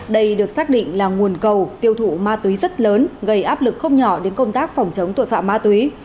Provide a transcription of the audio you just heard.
đây được xác định là nguồn cầu tiêu thụ ma túy rất lớn gây áp lực không nhỏ đến công tác phòng chống tội phạm ma túy